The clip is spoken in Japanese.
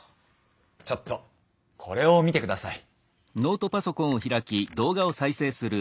ちょっとこれを見てください。